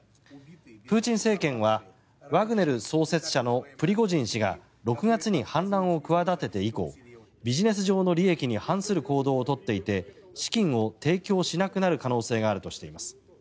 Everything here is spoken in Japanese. プーチン政権はワグネル創設者のプリゴジン氏が６月に反乱を企てて以降ビジネス上の利益に反する行動を取っていて資金を提供しなくなる可能性があるとしています。